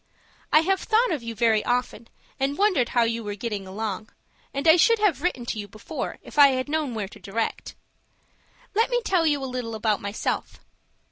I have thought of you very often, and wondered how you were getting along, and I should have written to you before if I had known where to direct. "Let me tell you a little about myself.